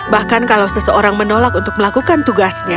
bahkan kalau seseorang menolak untuk melakukan tugasnya